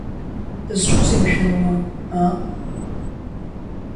Дызҿузеи, мшәан, уа, аа?